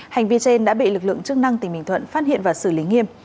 hành vi trên đã bị lực lượng chức năng tỉnh bình thuận phát hiện và xử lý nghiêm